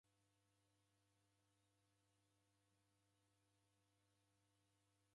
Hachi ra w'adamu nderaw'iazighanwa.